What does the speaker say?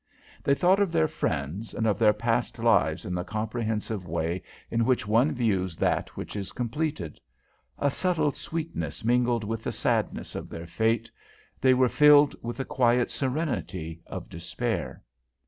They thought of their friends and of their past lives in the comprehensive way in which one views that which is completed. A subtle sweetness mingled with the sadness of their fate. They were filled with the quiet serenity of despair.